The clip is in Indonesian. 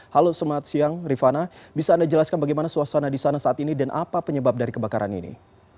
halo selamat siang rifana bisa anda jelaskan bagaimana suasana di sana saat ini dan apa penyebab dari kebakaran ini